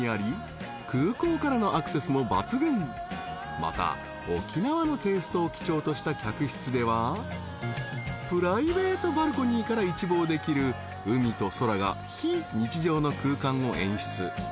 ［また沖縄のテイストを基調とした客室ではプライベートバルコニーから一望できる海と空が非日常の空間を演出］